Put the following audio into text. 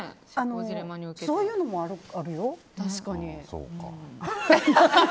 そういうのもあるよ。